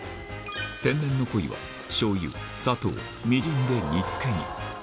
天然のコイは、しょうゆ、砂糖、みりんで煮つけに。